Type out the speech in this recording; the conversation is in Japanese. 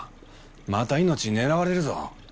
また命狙われるぞ。